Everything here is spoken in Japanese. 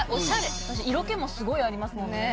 色気もすごいありますもんね。